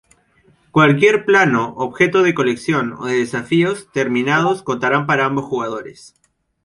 Cualquier plano, objeto de colección o desafíos terminados contarán para ambos jugadores.